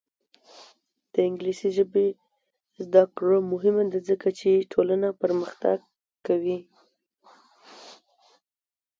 د انګلیسي ژبې زده کړه مهمه ده ځکه چې ټولنه پرمختګ کوي.